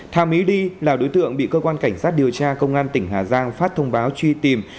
thà mỹ đi là đối tượng bị cơ quan cảnh sát điều tra công an tỉnh hà giang phát thông báo truy tìm